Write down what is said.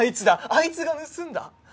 「あいつが盗んだ」